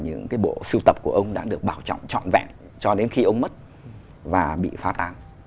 những cái bộ siêu tập của ông đã được bảo trọng trọn vẹn cho đến khi ông mất và bị phá tán